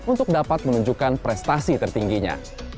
untuk dapat menunjukkan prestasi tertingginya